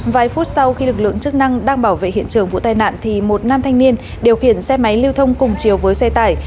vài phút sau khi lực lượng chức năng đang bảo vệ hiện trường vụ tai nạn thì một nam thanh niên điều khiển xe máy lưu thông cùng chiều với xe tải